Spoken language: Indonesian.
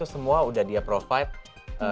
semua udah dia provide